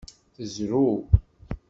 Tezrew.